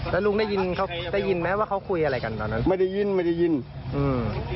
แล้วลุงได้ยินเขาได้ยินไหมว่าเขาคุยอะไรกันตอนนั้นไม่ได้ยินไม่ได้ยินอืม